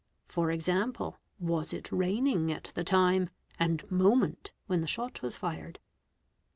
For example, was it rain ing at the time and moment when the shot was fired?